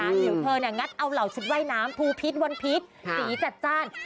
เดี๋ยวเธองัดเอาเหล่าชุดว่ายน้ำภูพิษวันพิษสีจัดจ้าน